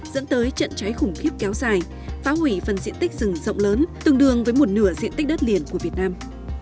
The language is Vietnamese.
dẫn tới trận cháy khủng khiếp kéo dài phá hủy phần diện tích rừng rộng lớn tương đương với một nửa diện tích đất liền của việt nam